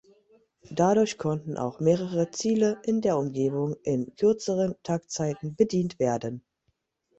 Dadurch konnten auch mehrere Ziele in der Umgebung in kürzeren Taktzeiten bedient werden.